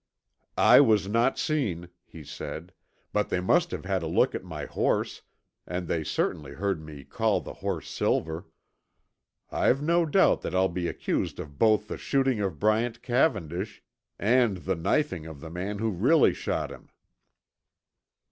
"I was not seen," he said, "but they must have had a look at my horse and they certainly heard me call the horse Silver. I've no doubt that I'll be accused of both the shooting of Bryant Cavendish and the knifing of the man who really shot him."